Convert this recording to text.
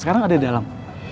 sekarang ada di dalam